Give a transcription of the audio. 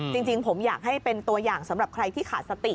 จริงผมอยากให้เป็นตัวอย่างสำหรับใครที่ขาดสติ